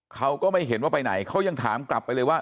เขาก็ไม่เห็นว่าไปไหนเขายังถามกลับไปเลยว่า